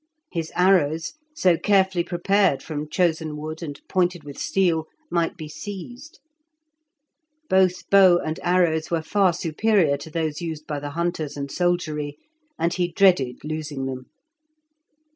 His arrows, so carefully prepared from chosen wood, and pointed with steel, might be seized. Both bow and arrows were far superior to those used by the hunters and soldiery, and he dreaded losing them.